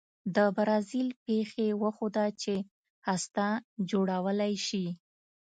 د برازیل پېښې وښوده چې هسته جوړولای شي.